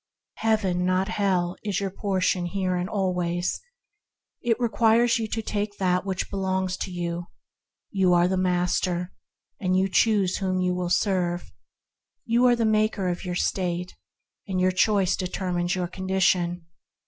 Heaven, not hell, is your portion here and always. It only requires you to take what belongs to you. You are the master, and you choose whom you will serve. You are the maker of your state, and your choice determines your condition.